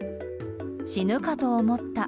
死ぬかと思った。